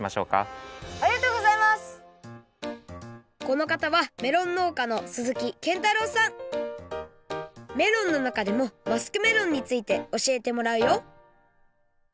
このかたはメロンのうかのメロンのなかでもマスクメロンについておしえてもらうよ！